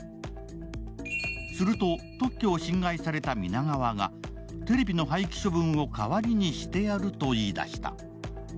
すると、特許を侵害された皆川がテレビの廃棄処分を代わりにしてやると言い出した。